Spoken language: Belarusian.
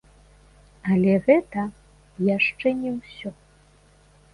Але гэта яшчэ не ўсё.